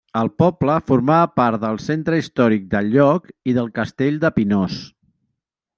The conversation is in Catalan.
El poble formava part del centre històric del lloc i del castell de Pinós.